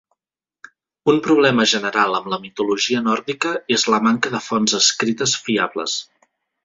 Un problema general amb la mitologia nòrdica és la manca de fonts escrites fiables.